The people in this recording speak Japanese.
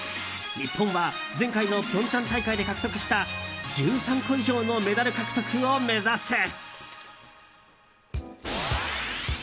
日本は前回の平昌大会で獲得した１３個以上のメダル獲得を目指す。